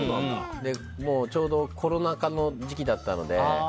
もう、ちょうどコロナ禍の時期だったので。